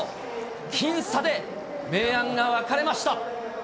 僅差で明暗が分かれました。